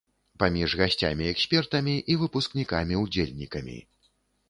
Паміж гасцямі-экспертамі і выпускнікамі-удзельнікамі.